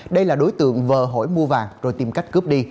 đây là đối tượng vờ hỏi hi mua vàng rồi tìm cách cướp đi